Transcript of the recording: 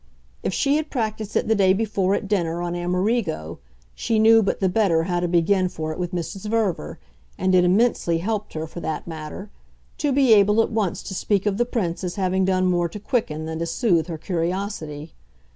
If she had practised it the day before, at dinner, on Amerigo, she knew but the better how to begin for it with Mrs. Verver, and it immensely helped her, for that matter, to be able at once to speak of the Prince as having done more to quicken than to soothe her curiosity.